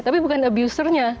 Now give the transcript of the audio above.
tapi bukan abusernya